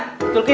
pindah ke sini